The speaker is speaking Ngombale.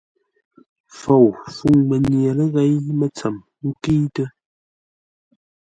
Fou fûŋ mənye ləghěi mətsəm ńkə́itə́.